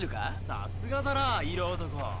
さすがだな色男。